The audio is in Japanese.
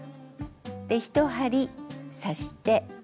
で１針刺して。